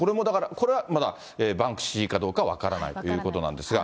これはまだバンクシーかどうか分からないということなんですが。